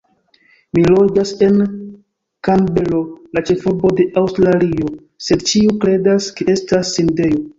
Mi loĝas en Kanbero, la ĉefurbo de Aŭstralio, sed ĉiuj kredas, ke estas Sidnejo!